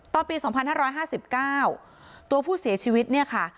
ตอนปีสองพันห้าร้อยห้าสิบเก้าตัวผู้เสียชีวิตเนี่ยค่ะ